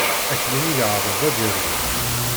Akli-nni yeεreḍ ad yerwel.